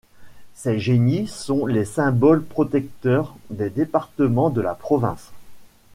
Ces génies sont les symboles protecteurs des départements de la province.